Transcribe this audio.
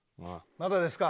まだですか？